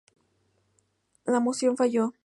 La moción falló.